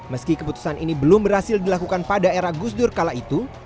meski keputusan ini belum berhasil dilakukan pada era gus dur kala itu